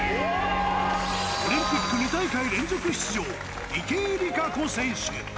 オリンピック２大会連続出場、池江璃花子選手。